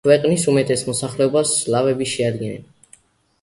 ქვეყნის უმეტეს მოსახლეობას სლავები შეადგენდნენ.